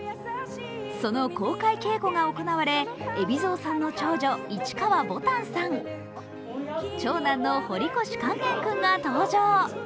その公開稽古が行われ、海老蔵さんの長女、市川ぼたんさん、長男の堀越勸玄君が登場。